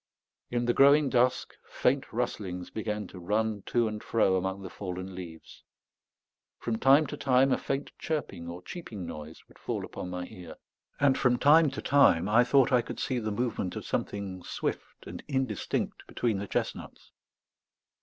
In the growing dusk, faint rustlings began to run to and fro among the fallen leaves; from time to time a faint chirping or cheeping noise would fall upon my ear; and from time to time I thought I could see the movement of something swift and indistinct between the chestnuts.